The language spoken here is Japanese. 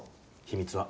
秘密は。